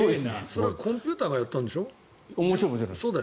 それはコンピューターがやったんでしょ？